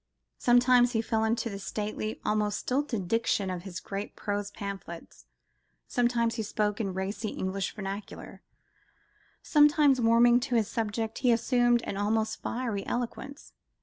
Sometimes he fell into the stately, almost stilted diction of his great prose pamphlets, sometimes he spoke in racy English vernacular, sometimes, warming to his subject, he assumed an almost fiery eloquence.